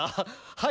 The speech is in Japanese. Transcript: はい。